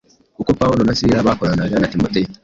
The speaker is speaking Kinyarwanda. Uko Pawulo na Sila bakoranaga na Timoteyo,